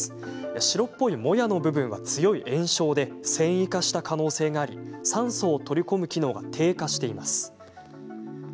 白っぽいもやの部分は強い炎症で繊維化した可能性があり酸素を取り込む機能が低下しています。